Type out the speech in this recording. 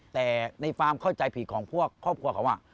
แต่ในความเข้าใจผิดของพวกครอบครัวเขา